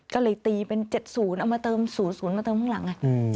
ก็เลยตีเป็น๗๐เอามาเติม๐๐มาเติมข้างหลังไง